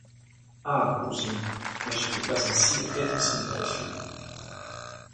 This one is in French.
Ah! cousine, n’agitez pas ainsi la tête en signe de refus.